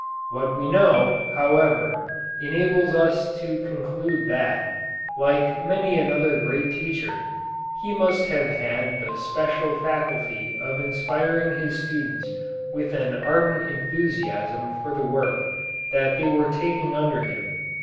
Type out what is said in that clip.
What we know, however, enables us to conclude that, like many another great teacher, he must have had the special faculty of inspiring his students with an ardent enthusiasm for the work that they were taking under him.